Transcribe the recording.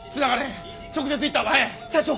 社長。